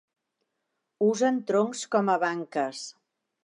Usen troncs com a banques.